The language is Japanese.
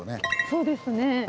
そうですね。